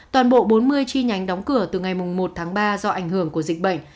toàn bộ bốn mươi chi nhánh đóng cửa từ ngày một tháng ba do ảnh hưởng của dịch bệnh